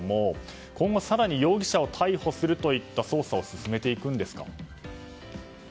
今後、更に容疑者を逮捕するといった捜査を進めていくんですか？